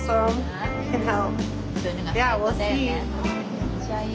めっちゃいい。